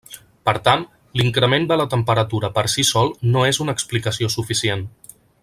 Per tant, l'increment de la temperatura per si sol no és una explicació suficient.